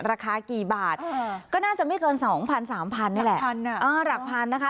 ราคากี่บาทก็น่าจะไม่เกินสองพันสามพันนี่แหละหลักพันอ่ะเออหลักพันนะคะ